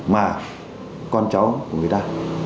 mà con cháu của người ta